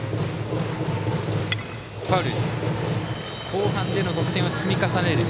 後半で得点を積み重ねる。